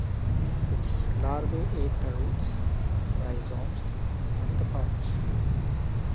Its larvae ate the roots, rhizomes, and the buds.